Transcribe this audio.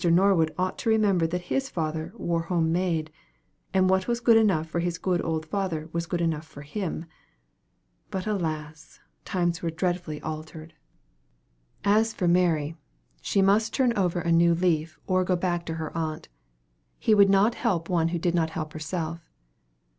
Norwood ought to remember that his father wore home made; and what was good enough for his good old father was good enough for him. But alas! times were dreadfully altered. As for Mary, she must turn over a new leaf, or go back to her aunt. He would not help one who did not help herself.